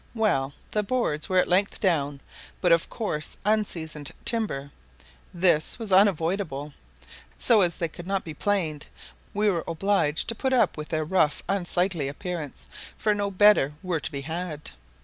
Well, the boards were at length down, but of course of unseasoned timber: this was unavoidable; so as they could not be planed we were obliged to put up with their rough unsightly appearance, for no better were to be had.